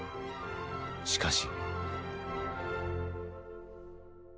しかし。